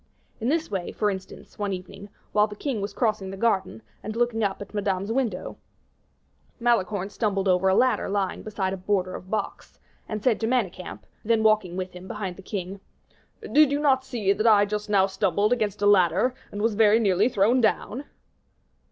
In this way, for instance, one evening, while the king was crossing the garden, and looking up at Madame's windows, Malicorne stumbled over a ladder lying beside a border of box, and said to Manicamp, then walking with him behind the king, "Did you not see that I just now stumbled against a ladder, and was nearly thrown down?"